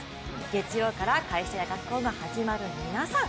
月曜から会社や学校が始まる皆さん